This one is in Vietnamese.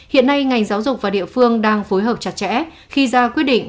hiện nay ngành giáo dục và địa phương đang phối hợp chặt chẽ khi ra quyết định